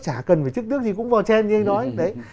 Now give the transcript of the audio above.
trả cần về chức đức gì cũng bò chen như anh nói